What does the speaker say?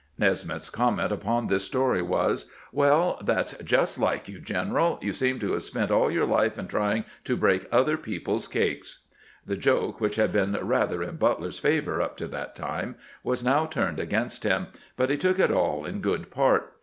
Nesmith's comment upon this story was: "Well, that 's just like you, general; you seem to have spent all your life in trying to break other people's cakes." The joke, which had been rather in Butler's favor up to that time, was now turned against 358 CAMPAIGNING WITH GRANT him, but he took it all in good part.